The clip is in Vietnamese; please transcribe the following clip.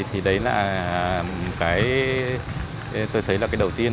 thì đấy là cái tôi thấy là cái đầu tiên